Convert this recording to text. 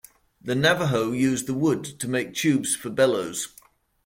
The Navajo use the wood to make tubes for bellows.